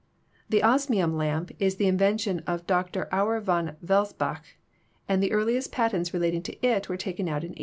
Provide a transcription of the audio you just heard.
The osmium lamp is the invention of Dr. Auer von Welsbach, and the earliest patents relating to it were taken out in 1898.